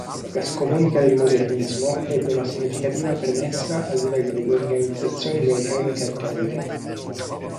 La scomunica del modernismo ebbe una significativa premessa a livello delle organizzazioni laicali cattoliche.